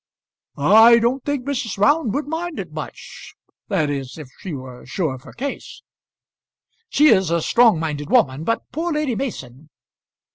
"I don't think Mrs. Round would mind it much; that is, if she were sure of her case." "She is a strong minded woman; but poor Lady Mason